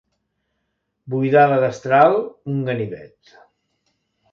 Buidar la destral, un ganivet.